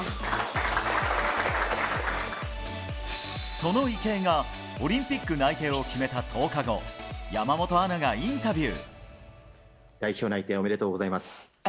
その池江がオリンピック内定を決めた１０日後山本アナがインタビュー。